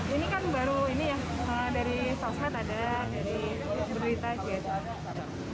ini kan baru ini ya dari sosmed ada dari berita gitu